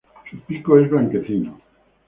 Su pico es blanquecino.